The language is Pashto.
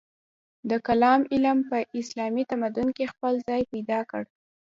د کلام علم په اسلامي تمدن کې خپل ځای پیدا کړ.